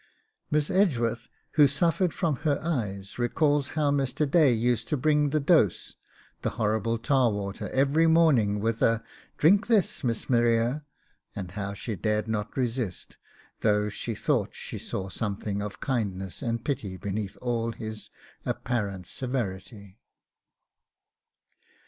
Miss Edgeworth, who suffered from her eyes, recalls how Mr. Day used to bring the dose, the horrible tar water, every morning with a 'Drink this, Miss Maria!' and how she dared not resist, though she thought she saw something of kindness and pity beneath all his apparent severity.